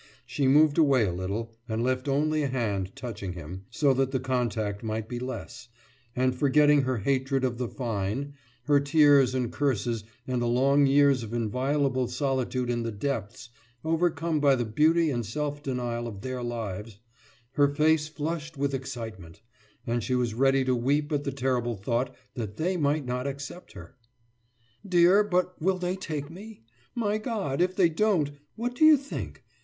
She moved away a little and left only a hand touching him, so that the contact might be less; and forgetting her hatred of the Fine, her tears and curses, and the long years of inviolable solitude in the depths overcome by the beauty and self denial of Their lives her face flushed with excitement, and she was ready to weep at the terrible thought that They might not accept her. »Dear, but will they take me? My God, if they won't! What do you think?